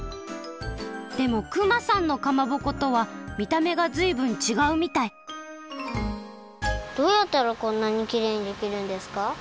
でも熊さんのかまぼことはみためがずいぶんちがうみたいどうやったらこんなにきれいにできるんですか？